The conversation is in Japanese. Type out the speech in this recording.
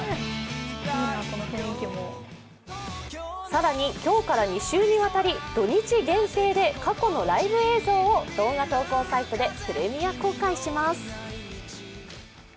更に今日から２週にわたり土日限定で、過去のライブ映像を動画投稿サイトでプレミア公開します。